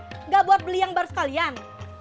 tidak buat beli yang baru sekalian